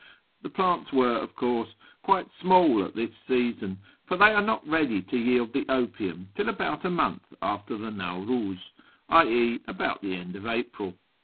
The plants were, of course, quite small at this season, for they are not ready to yield the opium till about a month after the Nawriiz {i.e. about the end of April).